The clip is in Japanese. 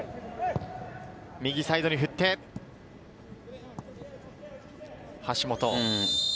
右サイドに振って、橋本。